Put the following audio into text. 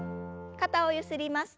肩をゆすります。